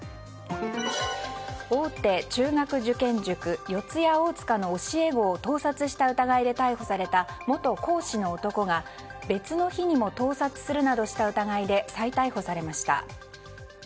大手中学受験塾四谷大塚の教え子を盗撮した疑いで逮捕された元講師の男が別の日にも盗撮するなどした疑いで再逮捕されました。